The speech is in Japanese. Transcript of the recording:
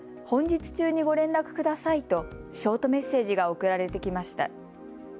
本日中にご連絡くださいとショートメッセージが送られてきました。